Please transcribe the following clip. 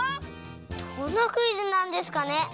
どんなクイズなんですかね。